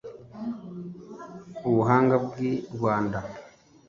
ubuhanga bw’i rwanda